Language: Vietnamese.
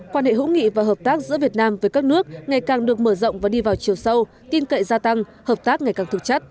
quan hệ hữu nghị và hợp tác giữa việt nam với các nước ngày càng được mở rộng và đi vào chiều sâu tin cậy gia tăng hợp tác ngày càng thực chất